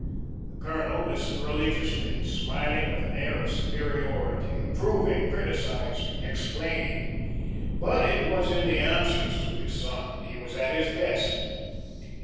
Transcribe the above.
The Colonel listened religiously, smiling with an air of superiority, approving, criticising, explaining; but it was in the answers to his son that he was at his best.